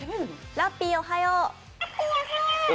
ラッピーおはよう。